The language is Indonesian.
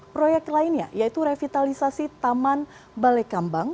proyek lainnya yaitu revitalisasi taman balekambang